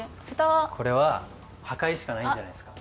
これは破壊しかないんじゃないですか？